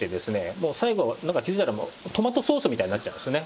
もう最後はなんか気付いたらもうトマトソースみたいになっちゃいますよね。